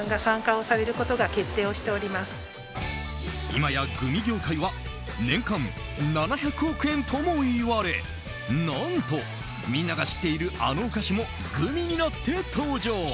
今や組業界は年間７００億円ともいわれ何と、みんなが知っているあのお菓子もグミになって登場。